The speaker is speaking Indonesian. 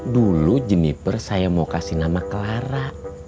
dulu jeniper saya mau kasih nama clara